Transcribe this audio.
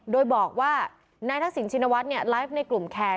โดยบอกว่านายทักษิณชินวัฒน์ไลฟ์ในกลุ่มแคร์